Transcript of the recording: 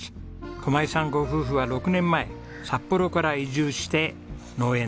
駒井さんご夫婦は６年前札幌から移住して農園で働いています。